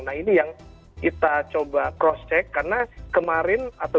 nah ini yang kita coba cross check karena kemarin atau